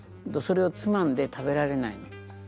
それをつまんで食べられないの。